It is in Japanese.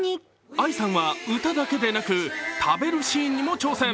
ＡＩさんは歌だけでなく食べるシーンにも挑戦。